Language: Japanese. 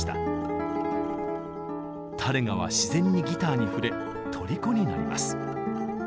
タレガは自然にギターに触れとりこになります。